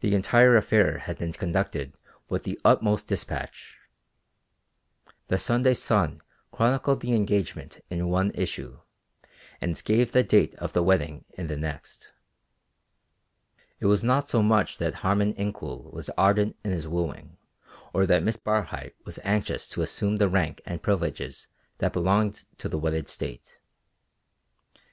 The entire affair had been conducted with the utmost dispatch. The Sunday Sun chronicled the engagement in one issue, and gave the date of the wedding in the next. It was not so much that Harmon Incoul was ardent in his wooing or that Miss Barhyte was anxious to assume the rank and privileges that belong to the wedded state.